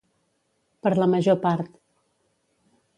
Per la major part.